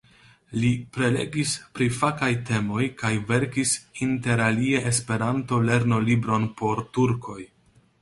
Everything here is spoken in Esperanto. Li prelegis pri fakaj temoj kaj verkis interalie Esperanto-lernolibron por turkoj.